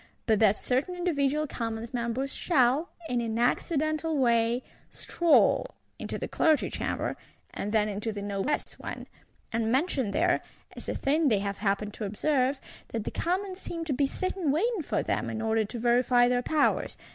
—but that certain individual Commons Members shall, in an accidental way, stroll into the Clergy Chamber, and then into the Noblesse one; and mention there, as a thing they have happened to observe, that the Commons seem to be sitting waiting for them, in order to verify their powers.